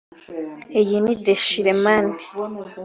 “Iyi ni dechire man